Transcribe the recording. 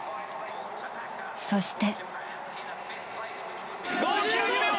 そして。